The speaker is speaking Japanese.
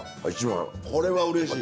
これはうれしい。